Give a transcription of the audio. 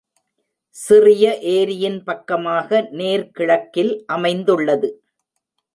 சிறிய ஏரியின் பக்கமாக நேர் கிழக்கில் அமைந்துள்ளது.